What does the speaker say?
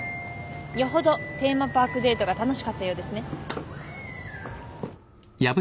よほどテーマパークデートが楽しかったようですね。